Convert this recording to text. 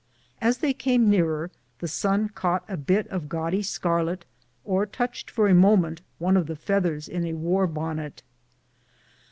As they came nearer, the sun caught a bit of gaudy scarlet, or touched for a moment one of the feathers in a war bonnet.